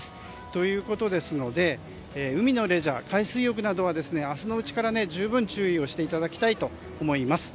ということですので海のレジャー、海水浴などは明日のうちから十分注意をしていただきたいと思います。